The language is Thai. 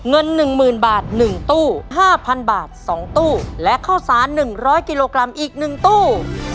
เงิน๑๐๐๐บาท๑ตู้๕๐๐บาท๒ตู้และข้าวสาร๑๐๐กิโลกรัมอีก๑ตู้